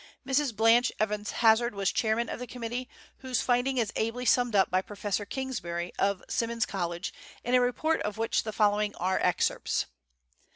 Miss Blanche Evans Hazard was chairman of the committee, whose finding is ably summed up by Professor Kingsbury, of Simmons College, in a report of which the following are excerpts: "1.